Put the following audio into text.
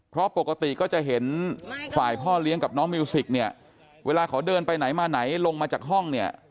เพราะปกติก็จะเห็นฝ่ายพ่อเลี้ยงกับน้องมิวสิกเนี่ยเวลาเขาเดินไปไหนมาไหนลงมาจากห้องเนี่ย